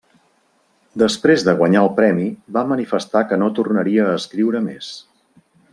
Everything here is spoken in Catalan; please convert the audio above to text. Després de guanyar el premi va manifestar que no tornaria a escriure més.